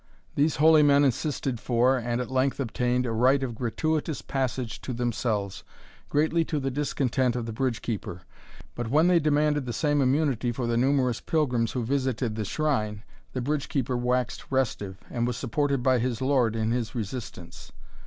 These holy men insisted for, and at length obtained, a right of gratuitous passage to themselves, greatly to the discontent of the bridge keeper. But when they demanded the same immunity for the numerous pilgrims who visited the shrine, the bridge keeper waxed restive, and was supported by his lord in his resistance.